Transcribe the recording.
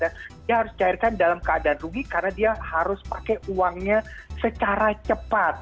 dia harus cairkan dalam keadaan rugi karena dia harus pakai uangnya secara cepat